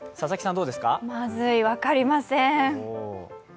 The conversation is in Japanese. まずい、分かりません。